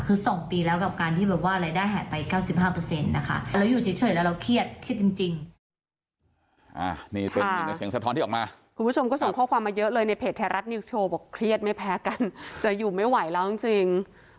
คือ๒ปีแล้วกับการที่รายได้แห่งไป๙๕นะคะเราอยู่เฉยแล้วเราเครียดเครียดจริง